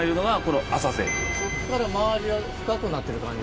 そっから周りは深くなってる感じですか？